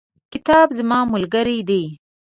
کتاب زما ملګری دی.